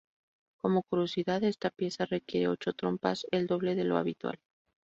Como curiosidad, esta pieza requiere ocho trompas, el doble de lo habitual.